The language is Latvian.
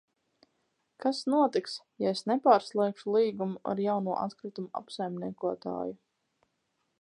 Kas notiks, ja es nepārslēgšu līgumu ar jauno atkritumu apsaimniekotāju?